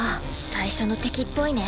最初の敵っぽいね。